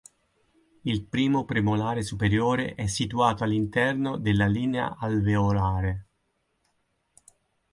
Il primo premolare superiore è situato all'interno della linea alveolare.